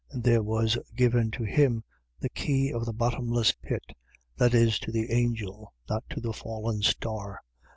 And there was given to him the key of the bottomless pit. . .That is, to the angel, not to the fallen star.